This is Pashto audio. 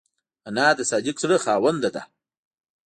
انا د صادق زړه خاوند ده